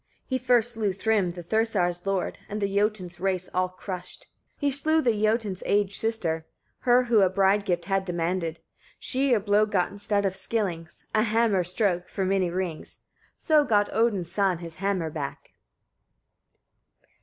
He first slew Thrym, the Thursar's lord, and the Jotun's race all crushed; 33. He slew the Jotun's aged sister, her who a bride gift had demanded; she a blow got instead of skillings, a hammer's stroke for many rings. So got Odin's son his hammer back.